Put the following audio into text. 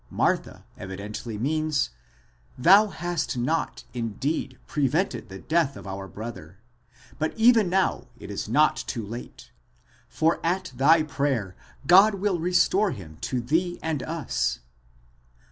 Martha evidently means, Thou hast not indeed prevented the death of our brother, but even now it is not too late, for at thy prayer God will restore him to thee and us.